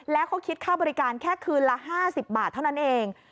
แล้วเขาคิดค่าบริการแค่คืนละ๕๐บาทเท่านั้นเอง